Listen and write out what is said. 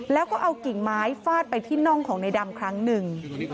แล้วก็เอากิ่งไม้ฟาดไปที่น่องของในดำครั้งหนึ่ง